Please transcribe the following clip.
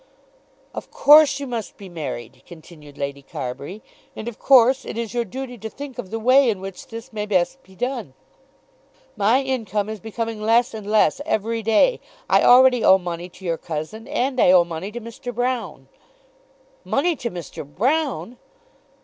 "Of course you must be married," continued Lady Carbury, "and of course it is your duty to think of the way in which this may be best done. My income is becoming less and less every day. I already owe money to your cousin, and I owe money to Mr. Broune." "Money to Mr. Broune!"